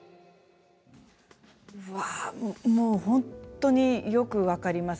もう本当によく分かります。